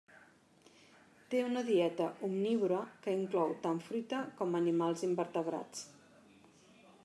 Té una dieta omnívora que inclou tant fruita com animals invertebrats.